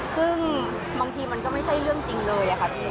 ซึ่งบางทีมันก็ไม่ใช่เรื่องจริงเลยค่ะพี่